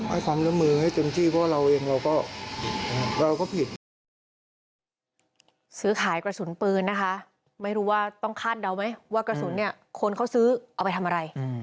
ให้ความร่วมมือให้เต็มที่เพราะเราเองเราก็ผิด